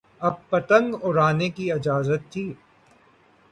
اب پتنگ اڑانے کی اجازت تھی۔